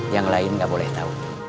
yang lain nggak boleh tahu